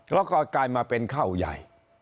แล้วก็กลายมาเป็นข้าวใหญ่